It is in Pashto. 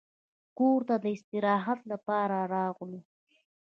کور ته د استراحت لپاره راغلو.